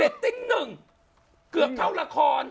เล็ตติ้ง๑เกือบเท่าละคร